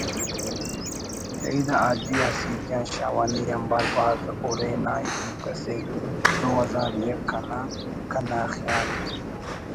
شہید حاجی حسیب جان شاہوانی آنبار بھاز ہُرے نا ہیت اسے دو ہزار یک انا کنا خیال